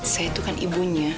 saya itu kan ibunya